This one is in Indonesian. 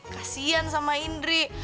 kasian sama indri